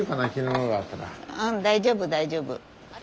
うん大丈夫大丈夫。